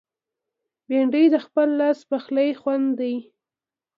بېنډۍ د خپل لاس پخلي خوند دی